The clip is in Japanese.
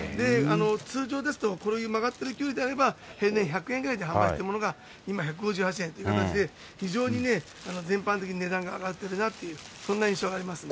通常ですと、こういう曲がってるキュウリであれば、平年１００円ぐらいで販売しているものが、今１５８円という感じで、非常にね、全般的に値段が上がってるなっていう、そんな印象ありますね。